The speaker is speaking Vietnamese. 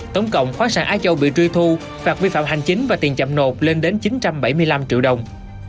tổng cộng khoáng sản á châu bị truy thu phạt vi phạm hành chính và tiền chậm nộp lên đến chín trăm bảy mươi năm triệu đồng